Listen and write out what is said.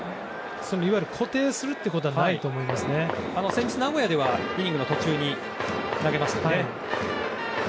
いわゆる固定するということは先日、名古屋ではイニング途中に投げましたね。